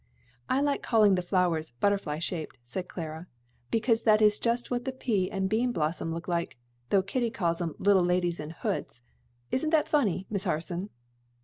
"I like calling the flowers 'butterfly shaped,'" said Clara, "because that is just what the pea and bean blossoms look like; though Kitty calls 'em 'little ladies in hoods.' Isn't that funny, Miss Harson?"